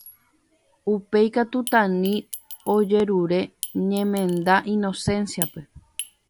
Upéi katu Tani ojerure ñemenda Inocencia-pe.